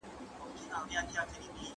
ځمکه اوس هم د ژوند ملاتړ کوي.